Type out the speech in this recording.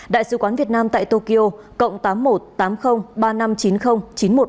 đại sứ quán việt nam tại tokyo cộng tám mươi một tám mươi ba nghìn năm trăm chín mươi chín nghìn một trăm ba mươi sáu